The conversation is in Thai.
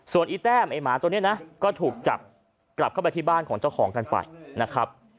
อีแต้มไอ้หมาตัวนี้นะก็ถูกจับกลับเข้าไปที่บ้านของเจ้าของกันไปนะครับ